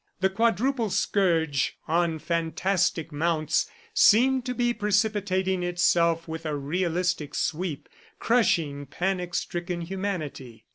The quadruple scourge, on fantastic mounts, seemed to be precipitating itself with a realistic sweep, crushing panic stricken humanity.